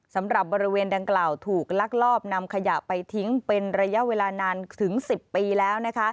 สำหรับบริเวณดังกล่าวถูกลักลอบนำขยะไปทิ้งเป็นระยะเวลานานถึง๑๐ปีแล้ว